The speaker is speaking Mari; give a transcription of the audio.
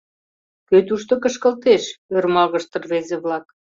— Кӧ тушто кышкылтеш? — ӧрмалгышт рвезе-влак.